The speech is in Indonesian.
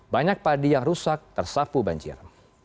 banyak padi yang rusak tersapu banjir